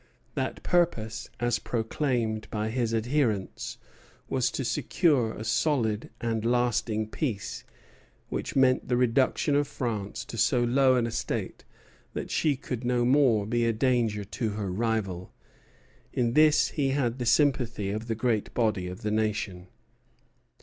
That purpose, as proclaimed by his adherents, was to secure a solid and lasting peace, which meant the reduction of France to so low an estate that she could no more be a danger to her rival. In this he had the sympathy of the great body of the nation.